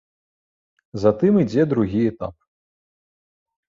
Затым ідзе другі этап.